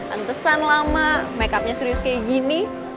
antesan lama makeupnya serius kayak gini